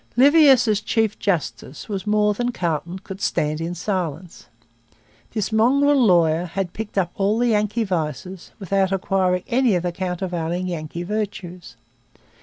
Livius as chief justice was more than Carleton could stand in silence. This mongrel lawyer had picked up all the Yankee vices without acquiring any of the countervailing Yankee virtues.